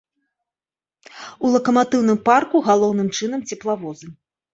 У лакаматыўным парку галоўным чынам цеплавозы.